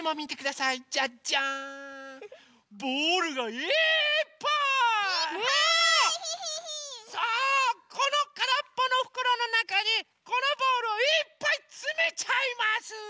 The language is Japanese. さあこのからっぽのふくろのなかにこのボールをいっぱいつめちゃいます。